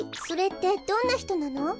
それってどんなひとなの？